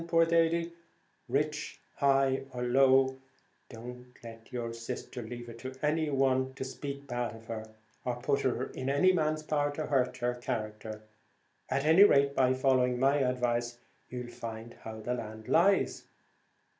Poor or rich, high or low, don't let your sister leave it to any one to speak bad of her, or put it in any man's power to hurt her character. At any rate, by following my advice, you'll find how the land lies."